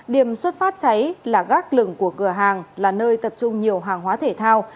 điểm xuất phát cháy là gác lửng của cửa hàng là nơi tập trung nhiều hàng hóa thể thao